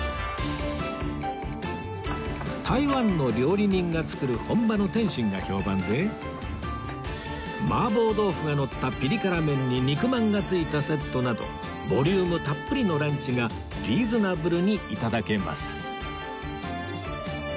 台湾の料理人が作る本場の点心が評判で麻婆豆腐がのったピリ辛麺に肉まんが付いたセットなどボリュームたっぷりのランチがリーズナブルにいただけます